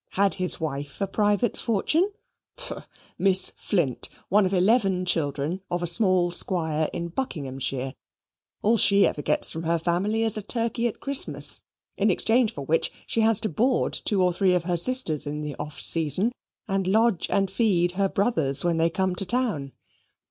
Had his wife a private fortune? Pooh! Miss Flint one of eleven children of a small squire in Buckinghamshire. All she ever gets from her family is a turkey at Christmas, in exchange for which she has to board two or three of her sisters in the off season, and lodge and feed her brothers when they come to town.